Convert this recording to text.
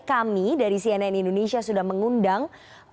kami dari cnn indonesia sudah mengundang